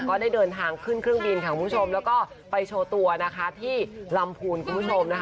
ก็ได้เดินทางขึ้นเครื่องบินค่ะคุณผู้ชมแล้วก็ไปโชว์ตัวนะคะที่ลำพูนคุณผู้ชมนะคะ